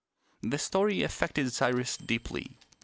The story affected Cyrus deeply.